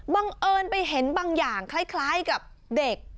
บังเอิญไปเห็นบางอย่างคล้ายกับเด็ก